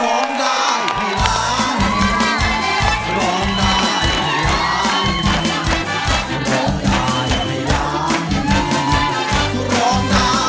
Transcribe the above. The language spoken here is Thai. ร้องได้ให้ร้อง